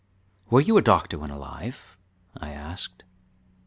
"Were you a doctor when alive?" I asked.